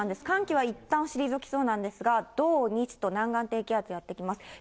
寒気はいったん退きそうなんですが、土日と南岸低気圧やって来ます。